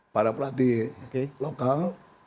para pelatih lokal